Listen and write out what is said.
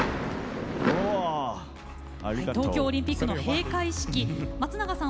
東京オリンピックの閉会式松永さん